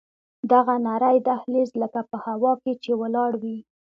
دغه نرى دهلېز لکه په هوا کښې چې ولاړ وي.